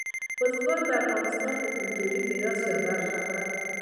بزګان د افغانستان د کلتوري میراث یوه برخه ده.